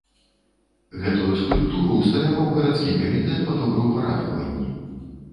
Гэтую скульптуру ўсталяваў гарадскі камітэт па добраўпарадкаванні.